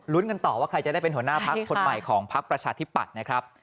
กันต่อว่าใครจะได้เป็นหัวหน้าพักคนใหม่ของพักประชาธิปัตย์นะครับ